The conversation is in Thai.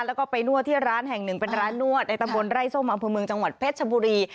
แล้วก็ไปนวดที่ร้านแห่งหนึ่งเป็นร้านนวดในตำบลไร่ส้มอำเภอเมืองจังหวัดเพชรชบุรี